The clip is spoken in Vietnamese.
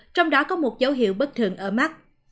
trong đó có một dấu hiệu bất thường ở mắt